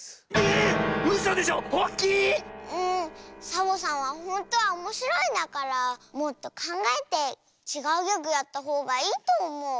サボさんはほんとはおもしろいんだからもっとかんがえてちがうギャグやったほうがいいとおもう。